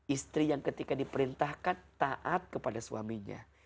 istri yang ketika diperintahkan taat kepada suaminya